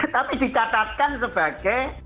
tapi dicatatkan sebagai